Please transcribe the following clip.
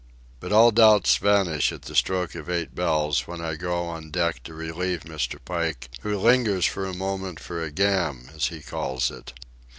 But all doubts vanish at the stroke of eight bells, when I go on deck to relieve Mr. Pike, who lingers a moment for a "gam," as he calls it.